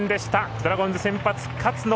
ドラゴンズ先発、勝野